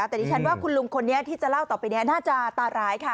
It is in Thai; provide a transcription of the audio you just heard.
แต่ดิฉันว่าคุณลุงคนนี้ที่จะเล่าต่อไปนี้น่าจะตาร้ายค่ะ